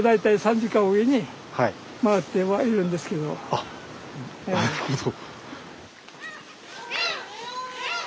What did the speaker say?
あっなるほど。